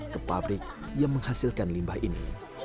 ke pabrik yang menghasilkan limbah ini